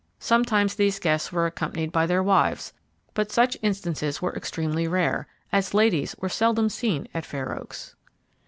Sometimes these guests were accompanied by their wives, but such instances were extremely rare, as ladies were seldom seen at Fair Oaks.